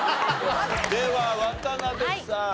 では渡辺さん。